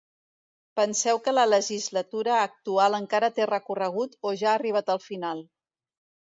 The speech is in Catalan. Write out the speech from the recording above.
Penseu que la legislatura actual encara té recorregut o ja ha arribat al final?